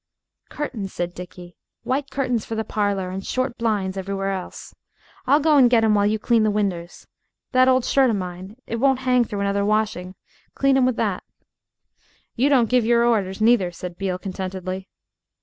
"Curtains," said Dickie "white curtains for the parlor and short blinds everywhere else. I'll go and get 'em while you clean the winders. That old shirt of mine. It won't hang through another washing. Clean 'em with that." "You don't give your orders, neither," said Beale contentedly.